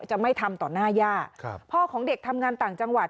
จะไม่ทำต่อหน้าย่าพ่อของเด็กทำงานต่างจังหวัด